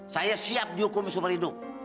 saya siap dihukum seumur hidup